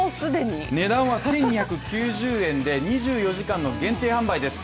値段は１２９０円で２４時間の限定販売です。